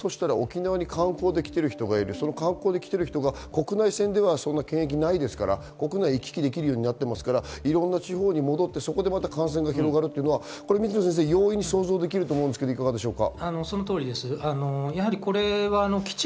そこで沖縄で観光に来ている人がいる、国内線では検疫ないですから国内、行き来できるようになっていますから、地方に戻ってそこで感染が広がるというのは容易に想像できると思うんですが、どうでしょうか。